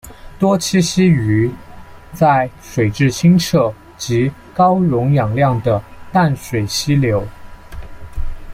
多栖息于在水质清澈及高溶氧量的淡水溪流。